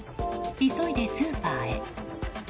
急いでスーパーへ。